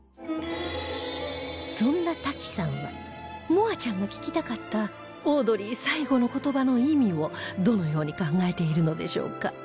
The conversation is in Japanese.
そんなタキさんは望亜ちゃんが聞きたかったオードリー最期の言葉の意味をどのように考えているのでしょうか？